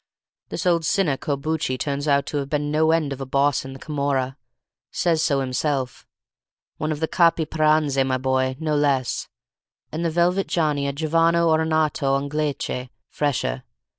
This old sinner Corbucci turns out to have been no end of a boss in the Camorra—says so himself. One of the capi paranze, my boy, no less; and the velvety Johnny a_ giovano onorato_, Anglicé, fresher.